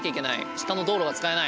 下の道路が使えない？